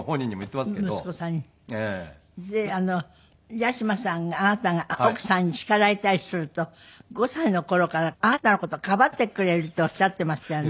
八嶋さんがあなたが奥さんに叱られたりすると５歳の頃からあなたの事かばってくれるっておっしゃっていましたよね。